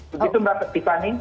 begitu mbak tiffany